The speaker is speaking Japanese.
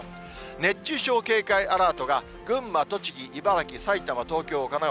熱中症警戒アラートが群馬、栃木、茨城、埼玉、東京、神奈川。